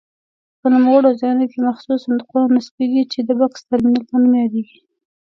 په نوموړو ځایونو کې مخصوص صندوقونه نصبېږي چې د بکس ترمینل په نوم یادیږي.